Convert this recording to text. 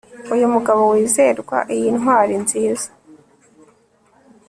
Uyu mugabo wizerwa iyi ntwari nziza